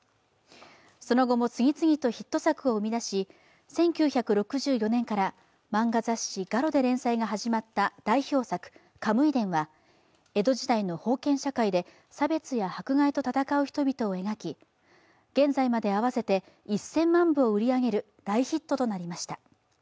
その後も次々とヒット作を生み出し、１９６４年から漫画雑誌「ガロ」で連載が始まった代表作「カムイ伝」は江戸時代の封建社会で差別や迫害と戦う人々を描き、現在まで合わせて１０００万部を売り上げる大ヒットとなりました。